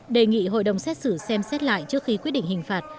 đề nghị hội đồng xét xử xem xét lại trước khi quyết định hình phạt